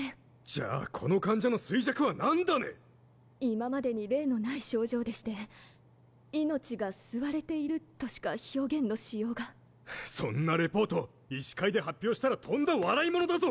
じゃあこの患者の衰弱は今までに例のない症状で「命が吸われている」としか表現のそんなレポート医師会で発表したらとんだ笑い者だぞ！